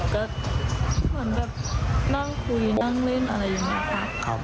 ก็เหมือนแบบนั่งคุยนั่งเล่นอะไรอย่างนี้ค่ะ